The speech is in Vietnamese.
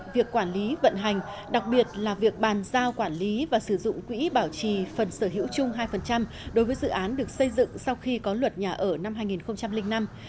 việc quản lý vận hành đặc biệt là việc bàn giao quản lý và sử dụng quỹ bảo trì phần sở hữu chung hai đối với dự án được xây dựng sau khi có luật nhà ở năm hai nghìn năm